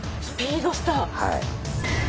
はい。